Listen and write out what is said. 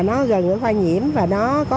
nó gần khoa nhiễm và nó có